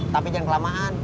tapi jangan kelamaan